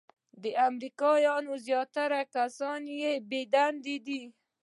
د امریکا زیاتره کسان بې دندې دي .